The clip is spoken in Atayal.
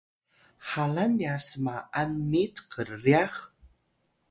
halan nya sma’an mit krryax